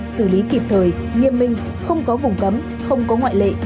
xử lý kịp thời nghiêm minh không có vùng cấm không có ngoại lệ